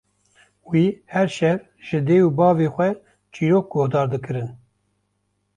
Wî her şev ji dê û bavê xwe çîrok guhdar dikirin.